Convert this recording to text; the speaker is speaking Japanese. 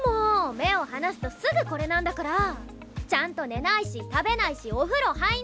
目を離すとすぐこれなんだから！ちゃんと寝ないし食べないしお風呂入んないし！